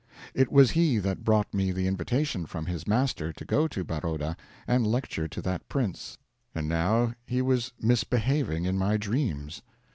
It was he that brought me the invitation from his master to go to Baroda and lecture to that prince and now he was misbehaving in my dreams.